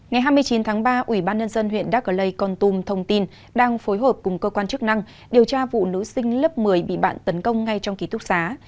ngày hai mươi chín tháng ba ủy ban nhân dân huyện đắk cơ lây con tum thông tin đang phối hợp cùng cơ quan chức năng điều tra vụ nữ sinh lớp một mươi bị bạn tấn công ngay trong ký túc xá